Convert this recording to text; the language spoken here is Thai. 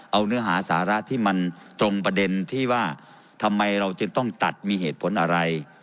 เอาเนื้อหาสาระที่มันตรงประเด็นที่ว่าทำไมเราจึงต้องตัดมีเหตุผลอะไร